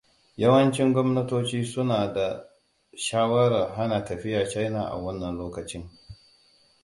Yawancin gwamnatoci suna ba da shawarar hana tafiya China a wannan lokacin.